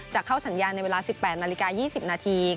จะเข้าสัญญาณในเวลา๑๘นาฬิกา๒๐นาที